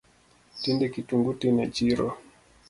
Tinde kitungu tin e chiro